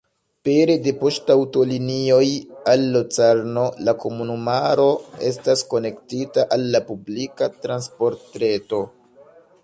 Pere de poŝtaŭtolinioj al Locarno la komunumaro estas konektita al la publika transportreto.